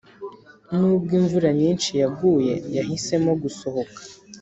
nubwo imvura nyinshi yaguye, yahisemo gusohoka.